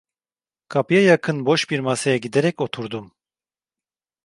Kapıya yakın boş bir masaya giderek oturdum.